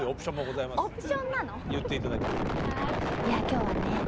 いや今日はね